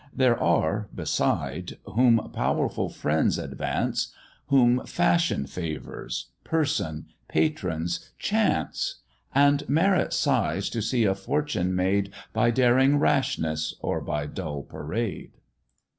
There are, beside, whom powerful friends advance, Whom fashion favours, person, patrons, chance: And merit sighs to see a fortune made By daring rashness or by dull parade.